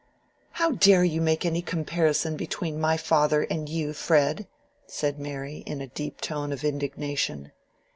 "How dare you make any comparison between my father and you, Fred?" said Mary, in a deep tone of indignation.